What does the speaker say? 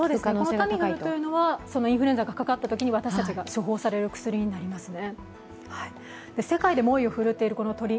このタミフルというのはインフルエンザにかかったときに私たちが処方される薬になりますね。